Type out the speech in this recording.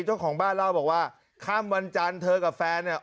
เจ้าของบ้านเล่าบอกว่าข้ามวันจันทร์เธอกับแฟนเนี่ย